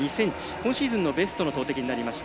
今シーズンのベストの投てきになりました。